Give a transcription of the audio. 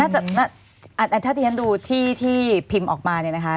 ถ้าที่ฉันดูที่พิมพ์ออกมาเนี่ยนะคะ